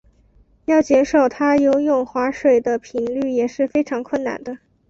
要减少他游泳划水的频率也是非常困难的。